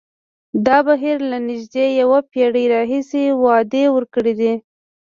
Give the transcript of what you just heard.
دا بهیر له نژدې یوه پېړۍ راهیسې وعدې ورکړې دي.